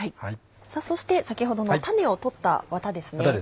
さぁそして先ほどの種を取ったワタですね。